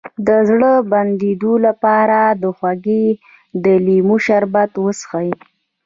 د زړه د بندیدو لپاره د هوږې او لیمو شربت وڅښئ